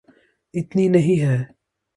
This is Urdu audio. اتنی نہیں ہے۔